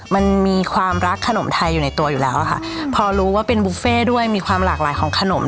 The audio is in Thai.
มันมีความรักขนมไทยอยู่ในตัวอยู่แล้วอะค่ะพอรู้ว่าเป็นบุฟเฟ่ด้วยมีความหลากหลายของขนม